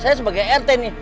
saya sebagai rt nih